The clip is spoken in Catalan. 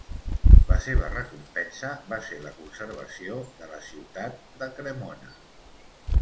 La seva recompensa va ser la conservació de la ciutat de Cremona.